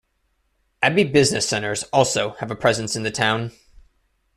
Abbey Business Centres also have a presence in the town.